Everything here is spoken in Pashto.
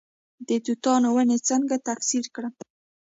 د توتانو ونې څنګه تکثیر کړم؟